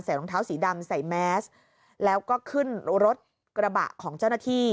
รองเท้าสีดำใส่แมสแล้วก็ขึ้นรถกระบะของเจ้าหน้าที่